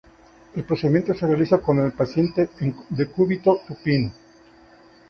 El procedimiento se realiza con el paciente en decúbito supino.